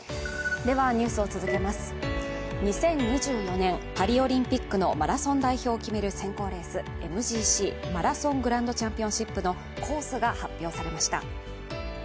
２０２４年、パリオリンピックのマラソン代表決める選考レースＭＧＣ＝マラソングランドチャンピオンシップのコースが発表されました。